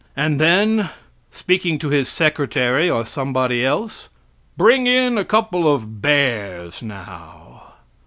and then speaking to his secretary or somebody else, "Bring in a couple of bears now!"